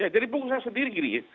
jadi pengusaha sendiri